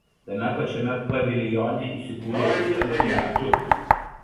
Tame pačiame paviljone įsikūrė ir ūkininkų turgus.